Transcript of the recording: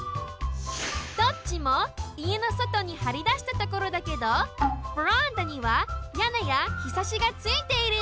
どっちもいえのそとにはりだしたところだけどベランダにはやねやひさしがついている。